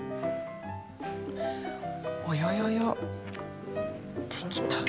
およよよ出来た。